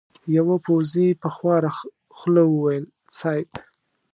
يوه پوځي په خواره خوله وويل: صېب!